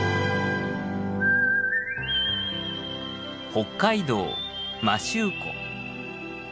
北海道摩周湖。